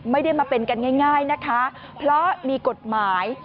ไม่ได้มาเป็นกันง่ายนะคะเพราะมีกฎหมาย